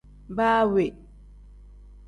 Baa we.